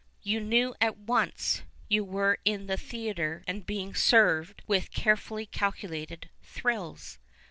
You knew at once you were in the theatre and being served with carefully calculated '* thrills."